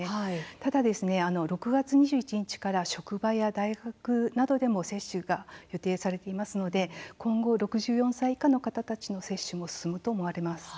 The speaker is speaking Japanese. ただ６月２１日から職場や大学などでも接種が予定されていますので今後６４歳以下の方たちへの接種も進むと思われます。